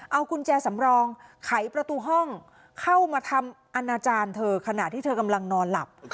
เอากุญแจสำรองไขประตูห้องเข้ามาทำอนาจารย์เธอขณะที่เธอกำลังนอนหลับ